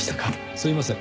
すいません。